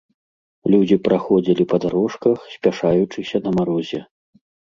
Людзі праходзілі па дарожках, спяшаючыся на марозе.